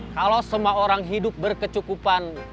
kalau semua orang hidup berkecukupan